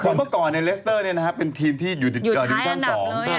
เพราะเมื่อก่อนเลสเตอร์เป็นทีมที่อยู่ที่ดินชั่นสอง